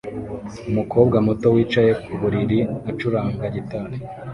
Umukobwa muto wicaye ku buriri acuranga gitari